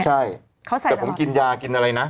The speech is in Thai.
ใช่แต่ผมกินยากินอะไรนะ